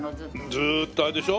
ずーっとあれでしょ？